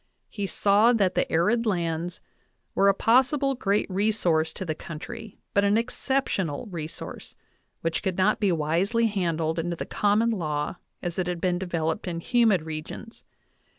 He saw that the arid lands were a pos 1 sible great resource to the country, but an exceptional resource, I which could not be wisely handled under the common law as ijj had been developed in humid regions.